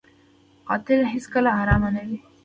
قاتل هېڅکله ارامه نه وي